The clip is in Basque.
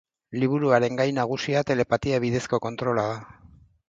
Liburuaren gai nagusia telepatia bidezko kontrola da.